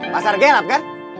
pasar gelap kan